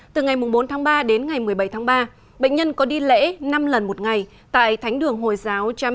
từ ngày bốn tháng ba đến ngày một mươi bảy tháng ba bệnh nhân có đi lễ năm lần một ngày tại thánh đường hồi giáo jamiun anwa quận tám tp hcm